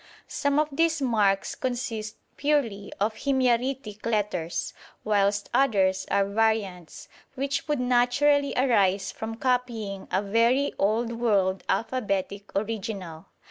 Some of these marks consist purely of Himyaritic letters, whilst others are variants, which would naturally arise from copying a very old world alphabetic original.